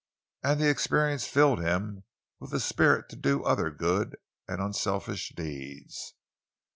And the experience filled him with the spirit to do other good and unselfish deeds.